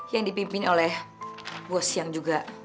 yang dipimpin oleh bos yang juga